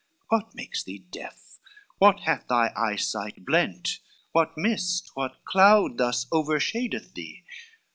What makes thee deaf? what hath thy eyesight blent? What mist, what cloud thus overshadeth thee?